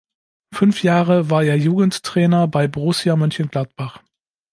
Fünf Jahre war er Jugendtrainer bei Borussia Mönchengladbach.